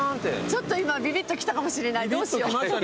ちょっと今ビビッときたかもしれないどうしよう。